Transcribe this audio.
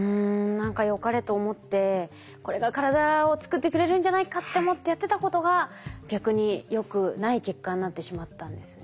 何かよかれと思ってこれが体を作ってくれるんじゃないかって思ってやってたことが逆によくない結果になってしまったんですね。